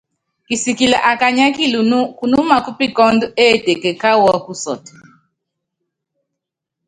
Kisikili á kanyiɛ́ kilunú, kunúmá kúpikɔ́ndɔ éteke káwu ɔ́kusɔ́tɔ.